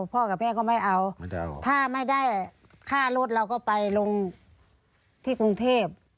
กับแม่ก็ไม่เอาถ้าไม่ได้ค่ารถเราก็ไปลงที่กรุงเทพ